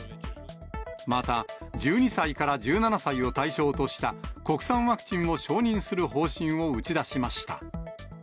また、１２歳から１７歳を対象とした国産ワクチンを承認する方針を打ち出しました。